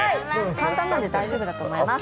簡単なんで大丈夫だと思います。